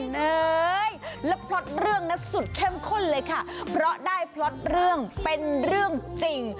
เฮ้ยแล้วพล็อตเรื่องนะสุดเข้มข้นเลยค่ะเพราะได้พล็อตเรื่องเป็นเรื่องจริง